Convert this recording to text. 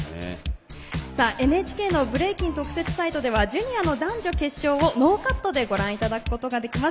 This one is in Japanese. ＮＨＫのブレイキン特設サイトではジュニアの男女決勝をノーカットでご覧いただくことができます。